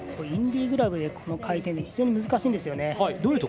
インディグラブでこの回転って非常に難しいんですよね。